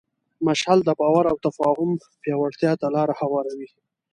مشعل د باور او تفاهم پیاوړتیا ته لاره هواروي.